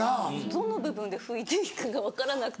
どの部分で拭いていいかが分からなくて。